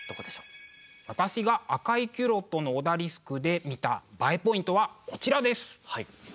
私が「赤いキュロットのオダリスク」で見たＢＡＥポイントはこちらです！